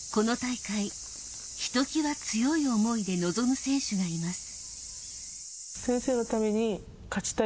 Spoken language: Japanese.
この大会ひときわ強い思いで臨む選手がいます。